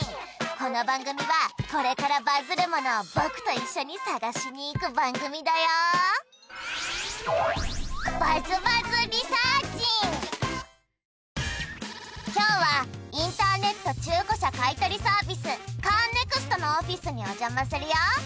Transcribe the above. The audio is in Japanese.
この番組はこれからバズるモノを僕と一緒に探しに行く番組だよ今日はインターネット中古車買い取りサービスカーネクストのオフィスにお邪魔するよ